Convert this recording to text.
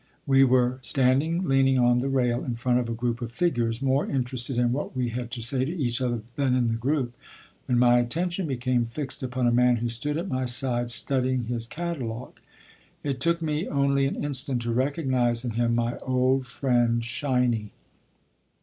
We were standing leaning on the rail in front of a group of figures, more interested in what we had to say to each other than in the group, when my attention became fixed upon a man who stood at my side studying his catalogue. It took me only an instant to recognize in him my old friend "Shiny."